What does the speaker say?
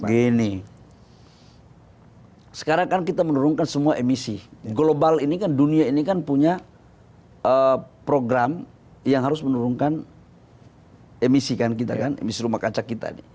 gini sekarang kan kita menurunkan semua emisi global ini kan dunia ini kan punya program yang harus menurunkan emisi kan kita kan emisi rumah kaca kita nih